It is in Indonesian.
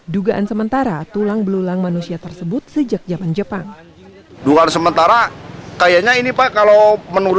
dugaan sementara tulang belulang manusia tersebut sejak zaman jepang